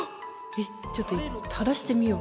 えっちょっとたらしてみよう。